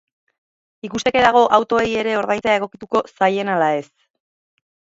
Ikusteke dago autoei ere ordaintzea egokituko zaien ala ez.